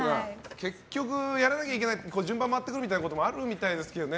結局やらなきゃいけない順番が回ってくることもあるみたいですけどね。